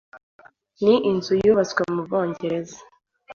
ni inzu yubatswe mu Bwongereza